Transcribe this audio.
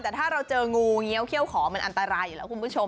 แต่ถ้าเราเจองูเงี้ยวเขี้ยขอมันอันตรายอยู่แล้วคุณผู้ชม